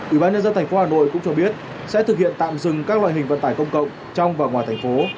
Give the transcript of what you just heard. ủy ban nhân dân tp hà nội cũng cho biết sẽ thực hiện tạm dừng các loại hình vận tải công cộng trong và ngoài thành phố